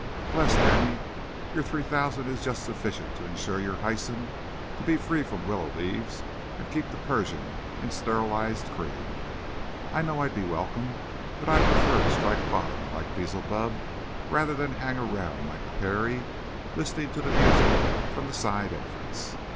"Blessed auntie, your three thousand is just sufficient to insure your Hyson to be free from willow leaves and keep the Persian in sterilized cream. I know I'd be welcome, but I prefer to strike bottom like Beelzebub rather than hang around like the Peri listening to the music from the side entrance.